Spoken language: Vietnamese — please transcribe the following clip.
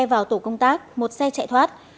vào tổ công tác một xe chạy thoát